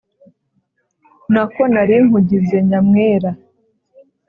Nako nari nkugize nyamwera